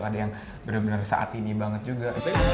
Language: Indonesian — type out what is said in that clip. ada yang bener bener saat ini banget juga